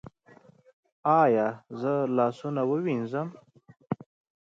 ایا زه لاسونه ووینځم؟